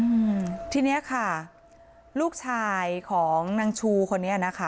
อืมทีเนี้ยค่ะลูกชายของนางชูคนนี้นะคะ